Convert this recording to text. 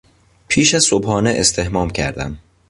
پیش از صبحانه استحمام کردم.